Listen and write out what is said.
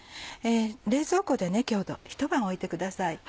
冷蔵庫でひと晩おいてください。